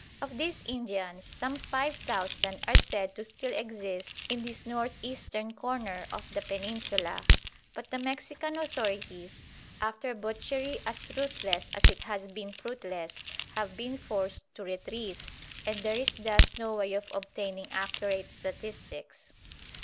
Of these Indians some five thousand are said to still exist in this north eastern corner of the Peninsula; but the Mexican authorities, after butchery as ruthless as it has been fruitless, have been forced to retreat, and there is thus no way of obtaining accurate statistics.